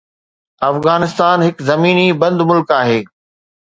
افغانستان هڪ زميني بند ملڪ آهي